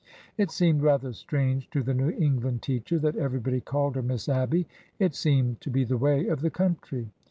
It seemed rather strange to the New England teacher that everybody called her " Miss Abby." It seemed to be the way of the country.